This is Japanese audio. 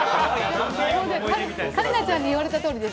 桂里奈ちゃんに言われたとおりです。